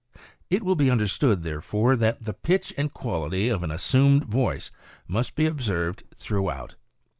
It will be understood, therefore, that the pitch and quality of an assumed voice must be observed throughout.